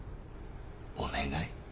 お願い？